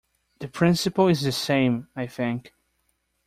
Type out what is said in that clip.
The principle is the same, I think?